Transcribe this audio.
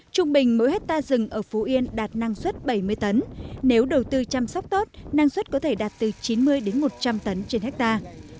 trung bình mỗi hectare rừng ở phú yên đạt năng suất bảy mươi tấn nếu đầu tư chăm sóc tốt năng suất có thể đạt từ chín mươi đến một trăm linh tấn trên hectare